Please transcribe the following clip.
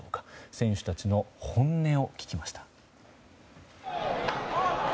選手たちの本音を聞きました。